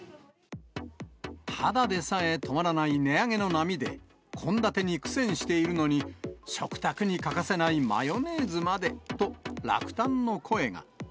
ただでさえ止まらない値上げの波で、献立に苦戦しているのに、食卓に欠かせないマヨネーズまでと落胆の声が。